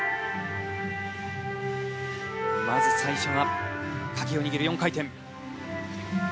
まず最初は鍵を握る４回転。